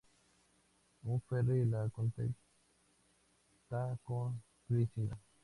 Un ferry la conecta con Flesinga.